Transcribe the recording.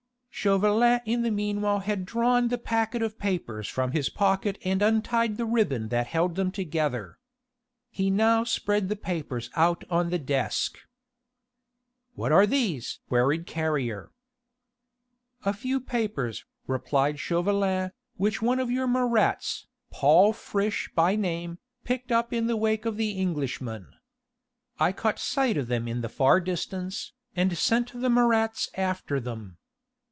Chauvelin in the meanwhile had drawn the packet of papers from his pocket and untied the ribbon that held them together. He now spread the papers out on the desk. "What are these?" queried Carrier. "A few papers," replied Chauvelin, "which one of your Marats, Paul Friche by name, picked up in the wake of the Englishmen. I caught sight of them in the far distance, and sent the Marats after them.